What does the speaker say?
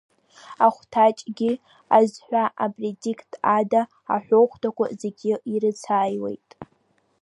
Ахәҭаҷ -гьы, азҳәа-апредикат ада, аҳәоу хәҭақәа зегьы ирыцааиуеит.